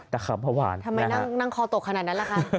ทำไมนั่งคอตกขนาดนั้นละคะ